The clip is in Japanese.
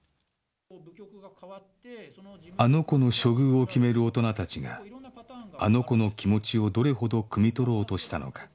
「あの子」の処遇を決める大人たちが「あの子」の気持ちをどれほどくみ取ろうとしたのか